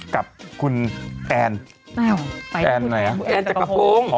กับคุณแอนแอนไหนอ่ะคุณแอนจักรพงศ์